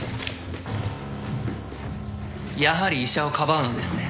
やはり医者をかばうのですね。